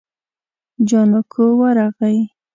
جانکو ورغی.